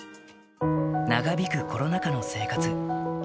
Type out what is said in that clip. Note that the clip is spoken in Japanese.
長引くコロナ禍の生活。